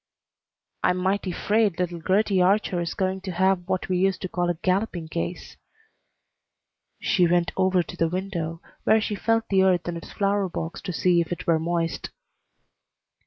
"I'm mighty 'fraid little Gertie Archer is going to have what we used to call a galloping case." She went over to the window, where she felt the earth in its flower box to see if it were moist.